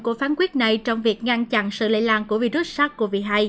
của phán quyết này trong việc ngăn chặn sự lây lan của virus sars cov hai